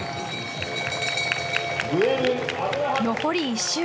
残り１周。